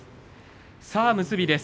さあ結びです。